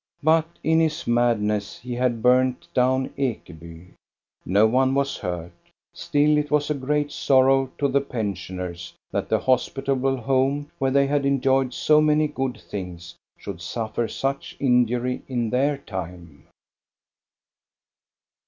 But in his madness he had burned down Ekeby. No one was hurt. Still, it was a great sorrow to the pensioners that the hospitable home, where they had enjoyed so many good things, should suffer such injury Nn their time.